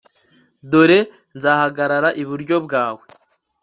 Dore nzahagarara iburyo bwawe